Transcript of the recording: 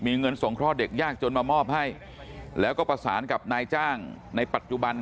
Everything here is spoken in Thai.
มีเงินสงเคราะห์เด็กยากจนมามอบให้แล้วก็ประสานกับนายจ้างในปัจจุบัน